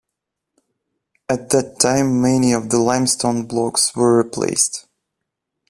At that time many of the limestone blocks were replaced.